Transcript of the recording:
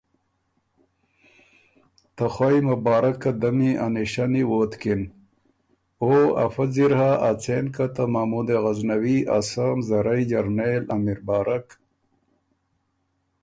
ته خوئ مبارک قدمی ا نشاني ووتکِن۔ او افۀ ځِر هۀ ا څېن که ته محمودِ غزنوي ا سۀ مزرئ جرنېل امیربارک